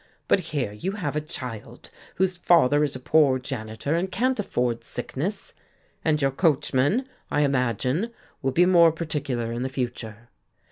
But here you have a child whose father is a poor janitor and can't afford sickness. And your coachman, I imagine, will be more particular in the future."